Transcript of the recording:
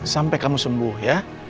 sampai kamu sembuh ya